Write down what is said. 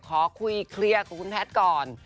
ขอคุยเคลียร์กับคุณแพทย์ก่อน